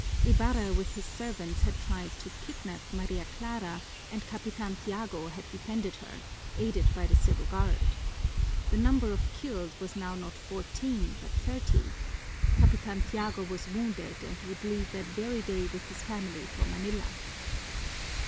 Ibarra with his servants had tried to kidnap Maria Clara, and Capitan Tiago had defended her, aided by the Civil Guard. The number of killed was now not fourteen but thirty. Capitan Tiago was wounded and would leave that very day with his family for Manila.